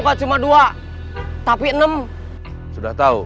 kan coba pergi sama kita